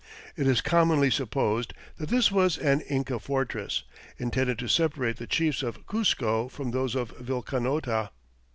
It is commonly supposed that this was an Inca fortress, intended to separate the chiefs of Cuzco from those of Vilcanota.